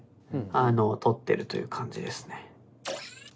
あの録ってるという感じですね。